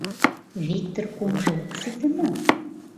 — Виктыр кумжо ок сите мо?